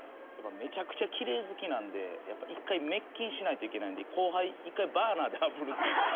めちゃくちゃきれい好きなので一回滅菌しないといけないので後輩一回バーナーであぶるっていう。